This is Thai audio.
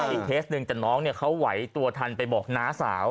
อีกเพซนึงน้องเนี่ยเค้าไหวตัวทันไปบอกน้าสาว